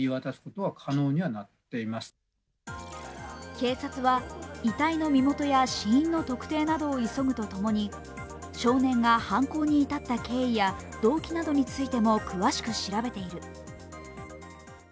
警察は遺体の身元や死因の特定などを急ぐとともに少年が犯行に至った経緯や動機などについても詳しく調べている。